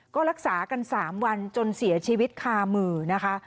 ก็รักษากัน๓วันจนเสียชีวิตคามือนะคะ